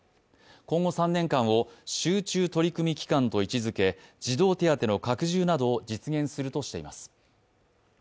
今後３年間を集中取り組み期間と位置づけ児童手当の拡充などを実現するとしています。